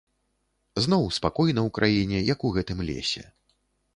Зноў спакойна ў краіне, як у гэтым лесе.